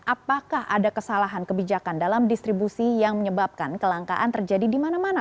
apakah ada kesalahan kebijakan dalam distribusi yang menyebabkan kelangkaan terjadi di mana mana